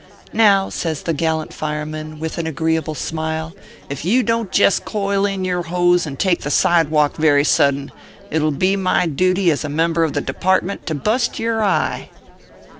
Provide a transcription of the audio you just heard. Now," says the gallant fireman, with an agreeable smile, "if you don t jest coil in yer hose and take the sidewalk very sudden, it ll be my duty, as a member of the Depart ment, to bust yer eye."